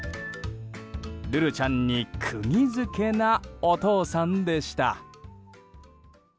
るるちゃんに釘付けなお父さんでした。